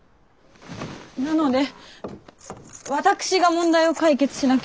なので私が問題を解決しなければ。